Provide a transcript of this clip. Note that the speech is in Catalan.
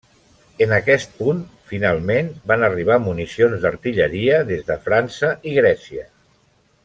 En aquest punt, finalment, van arribar municions d'artilleria des de França i Grècia.